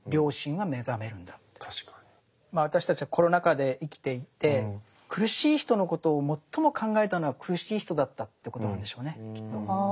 まあ私たちはコロナ禍で生きていて苦しい人のことを最も考えたのは苦しい人だったってことなんでしょうねきっと。